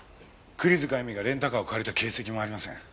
栗塚エミがレンタカーを借りた形跡もありません。